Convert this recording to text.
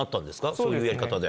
そういうやり方で。